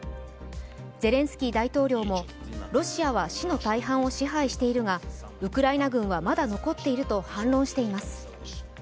ゼレンスキー大統領もロシアは市の大半を支配しているがウクライナ軍は、まだ残っていると反論しています。